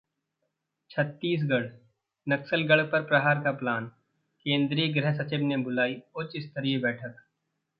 छत्तीसगढ़: नक्सलगढ़ पर प्रहार का प्लान, केंद्रीय गृह सचिव ने बुलाई उच्च स्तरीय बैठक